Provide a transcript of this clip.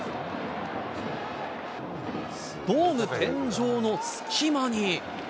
ドーム天井の隙間に。